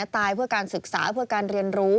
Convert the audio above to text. ตายเพื่อการศึกษาเพื่อการเรียนรู้